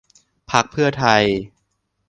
พรรคเพื่อไทย